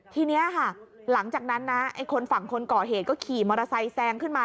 ทีนี้ค่ะหลังจากนั้นนะไอ้คนฝั่งคนก่อเหตุก็ขี่มอเตอร์ไซค์แซงขึ้นมา